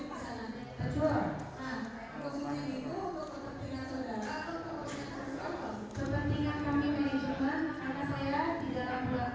kekeluargaan lagu dari india disebut i love you allah